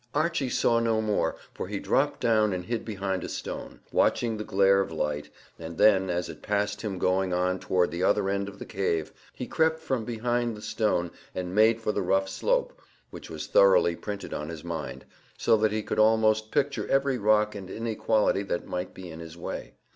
Archy saw no more, for he dropped down and hid behind a stone, watching the glare of light, and then, as it passed him going on toward the other end of the cave, he crept from behind the stone and made for the rough slope, which was thoroughly printed on his mind, so that he could almost picture every rock and inequality that might be in his way.